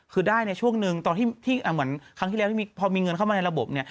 คือได้ในช่วงหนึ่งตอนที่เหมือนครั้งที่แล้วพอมีเงินเข้ามาในระบบ